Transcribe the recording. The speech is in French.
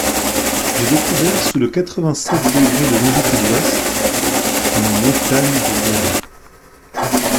J’ai découvert sous le quatre-vingt-septe degré de longitude ouest… une montagne de guano…